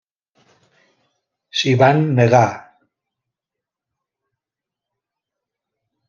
S'hi van negar.